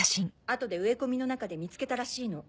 後で植え込みの中で見つけたらしいの。